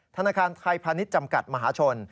ธนาคารไทยพาณิชย์จำกัดมหาชน